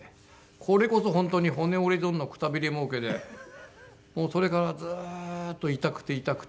これこそ本当に骨折り損のくたびれもうけでもうそれからずーっと痛くて痛くて。